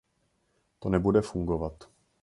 To nebude fungovat.